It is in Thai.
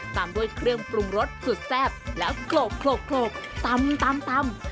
ตามด้วยเครื่องปรุงรสสุดแซ่บแล้วโกรธโกรธโกรธตำตำตำ